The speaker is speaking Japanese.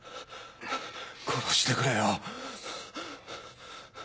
殺してくれよ。